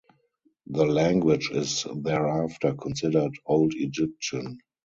The language is thereafter considered Old Egyptian.